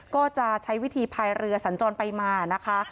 ก็จะใช้วิธีพายเรือสัญจรไปมานะคะ